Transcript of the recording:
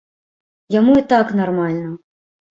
Яму і так нармальна.